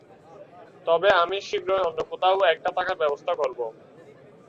তবে আমি শীঘ্রই অন্য কোথাও একটা থাকার ব্যবস্থা করবো।